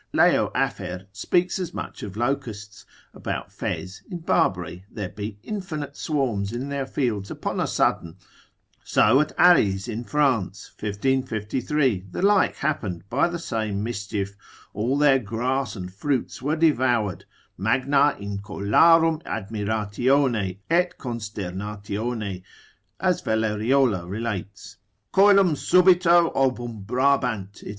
Leo Afer speaks as much of locusts, about Fez in Barbary there be infinite swarms in their fields upon a sudden: so at Aries in France, 1553, the like happened by the same mischief, all their grass and fruits were devoured, magna incolarum admiratione et consternatione (as Valleriola obser. med. lib. 1. obser. 1. relates) coelum subito obumbrabant, &c.